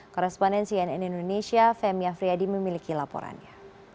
korespondensi nn indonesia femya friadi memiliki laporannya